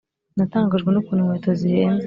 natangajwe n'ukuntu inkweto zihenze.